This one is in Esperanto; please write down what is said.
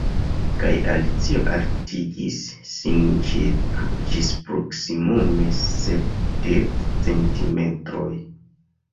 Kaj Alicio altigis sin ĝis proksimume sepdek centimetroj.